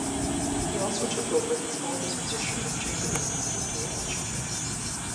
He also took over his father's position of Chamberlain of the Exchequer.